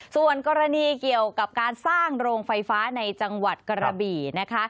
ส่วนกรณีเกี่ยวกับการสร้างโรงไฟฟ้าในจังหวัดกระบี่นะคะ